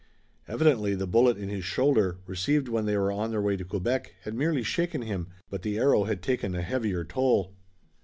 Evidently, the bullet in his shoulder, received when they were on their way to Quebec, had merely shaken him, but the arrow had taken a heavier toll.